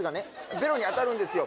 ベロに当たるんですよ